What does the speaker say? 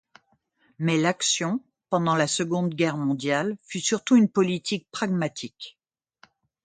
Mais l'action pendant la Seconde Guerre mondiale fut surtout une politique pragmatique.